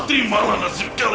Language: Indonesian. ah terimalah nasib kalian